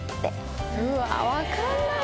うわ分かんない！